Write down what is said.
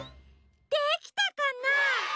できたかな？